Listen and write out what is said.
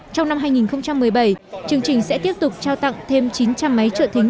trong năm hai nghìn một mươi bảy chương trình sẽ tiếp tục trao tặng thêm chín trăm linh máy trợ thính